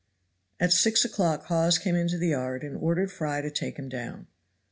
At six o'clock Hawes came into the yard and ordered Fry to take him down.